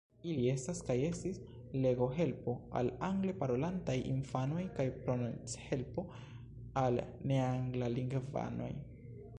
Ili estas kaj estis legohelpo al angle parolantaj infanoj kaj prononchelpo al neanglalingvanoj.